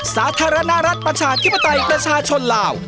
สาธารณรัฐประชาธิปไตยประชาชนลาว